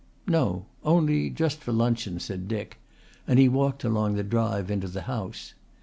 "No. Only just for luncheon," said Dick, and he walked along the drive into the house.